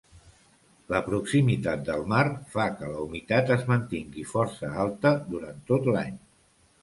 La proximitat del mar fa que la humitat es mantingui força alta durant tot l'any.